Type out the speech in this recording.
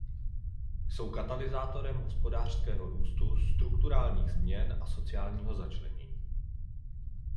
Jsou katalyzátorem hospodářského růstu, strukturálních změn a sociálního začlenění.